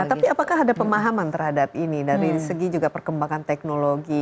tapi apakah ada pemahaman terhadap ini dari segi juga perkembangan teknologi